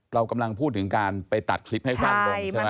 เรากำลังพูดถึงการไปตัดคลิปให้สั้นลงใช่ไหม